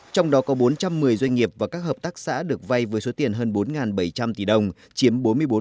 trong đó có bốn trăm một mươi doanh nghiệp và các hợp tác xã được vay với số tiền hơn bốn bảy trăm linh tỷ đồng chiếm bốn mươi bốn